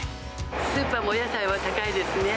スーパーもお野菜は高いです